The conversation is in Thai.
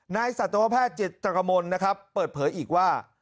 สัตวแพทย์จิตรกมลนะครับเปิดเผยอีกว่า